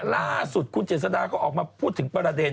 ล่าสุดคุณเจษฎาก็ออกมาพูดถึงประเด็น